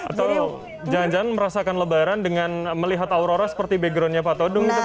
atau jangan jangan merasakan lebaran dengan melihat aurora seperti backgroundnya pak todung